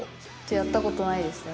やった事ないですね